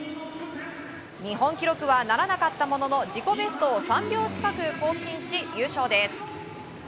日本記録はならなかったものの自己ベストを３秒近く更新し優勝です。